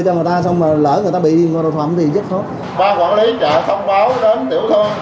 cho người ta xong mà lỡ người ta bị đòi thoảm thì rất khó ban quản lý chợ thông báo đến tiểu thương